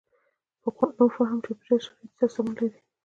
پخوانو فهم چاپېریال شرایطو سره سمون لري.